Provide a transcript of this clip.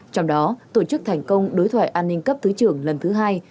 trong đó tổ chức thành công đối thoại an ninh cấp thứ trưởng lần thứ hai